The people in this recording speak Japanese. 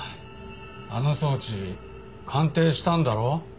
あの装置鑑定したんだろ？